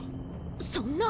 そんな。